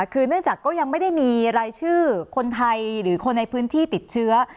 คือเนื่องจากก็ยังไม่ได้มีรายชื่อคนไทยหรือคนในพื้นที่ติดเชื้อ